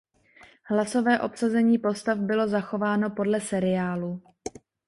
Hlasové obsazení postav bylo zachováno podle seriálu.